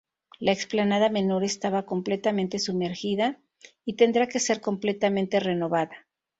La explanada menor estaba completamente sumergida y tendrá que ser completamente renovada.